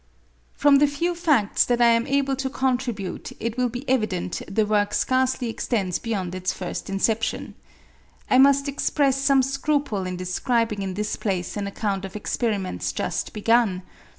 From the few facts that I am able to contribute it will be evident the work scarcely extends beyond its first inception. I must express some scruple in describing in this place an account of experiments just begun.